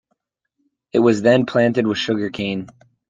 It was then planted with sugarcane.